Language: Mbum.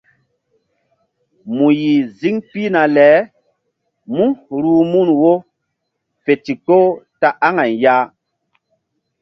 Mu yih ziŋ pihna le mú ruh mun wo fe ndikpoh ta aŋay ya.